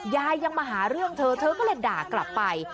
ยังมาหาเรื่องเธอเธอก็เลยด่ากลับไป